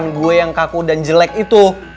lu ngeliat gerakan gue yang kaku dan jelek itu